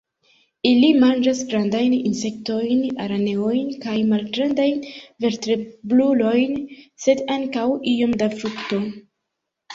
Ili manĝas grandajn insektojn, araneojn kaj malgrandajn vertebrulojn, sed ankaŭ iom da frukto.